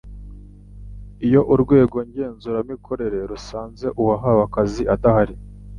iyo urwego ngenzuramikorere rusanze uwahawe akazi adahari